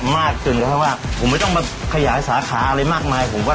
มากจนกว่าผมไม่ต้องมาขยายสาขาอะไรมากมาย